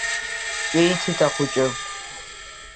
Ҿиҭит ахәыҷы.